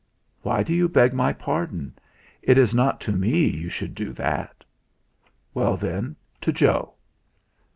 "Why do you beg my pardon? It is not to me you should do that." "Well, then, to Joe."